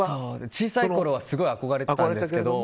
小さいころはすごい憧れてたんですけども。